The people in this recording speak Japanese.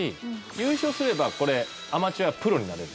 優勝すればこれアマチュアはプロになれる。